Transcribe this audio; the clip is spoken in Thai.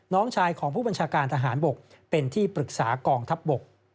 น้องชายของผู้บัญชาการทหารบกเป็นที่ปรึกษากองทัพบก